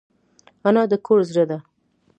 انا د کور زړه ده